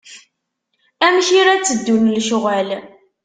Amek i la teddun lecɣal.